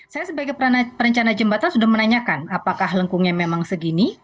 saya sebagai perencana jembatan sudah menanyakan apakah lengkungnya memang segini